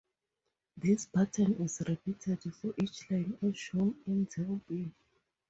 This pattern is repeated for each line as shown in Table B.